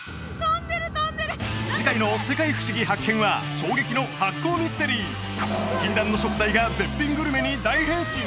次回の「世界ふしぎ発見！」は衝撃の発酵ミステリー禁断の食材が絶品グルメに大変身？